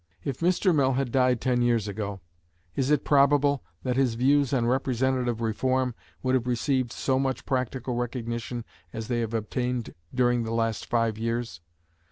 If Mr. Mill had died ten years ago, is it probable that his views on representative reform would have received so much practical recognition as they have obtained during the last five years?